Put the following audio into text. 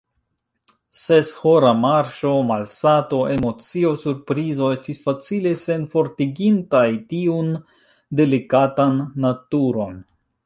Seshora marŝo, malsato, emocio, surprizo, estis facile senfortigintaj tiun delikatan naturon.